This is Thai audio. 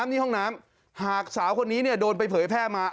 นี่ห้องน้ำหากสาวคนนี้โดนไปเผยแพร่มา